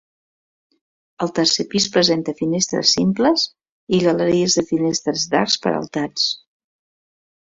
El tercer pis presenta finestres simples i galeries de finestres d'arcs peraltats.